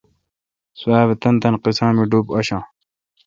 سواب تان تان قیسا می ڈوب آشاں۔